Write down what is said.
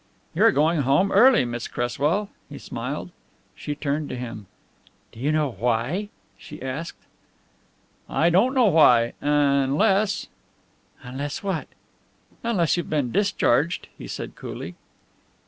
"You are going home early, Miss Cresswell," he smiled. She turned to him. "Do you know why?" she asked. "I don't know why unless " "Unless what?" "Unless you have been discharged," he said coolly.